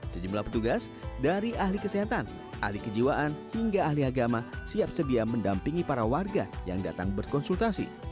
sejumlah petugas dari ahli kesehatan ahli kejiwaan hingga ahli agama siap sedia mendampingi para warga yang datang berkonsultasi